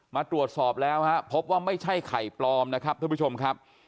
มาตรวจสอบแล้วฮะพบว่าไม่ใช่ไข่ปลอมนะครับท่านผู้ชมครับ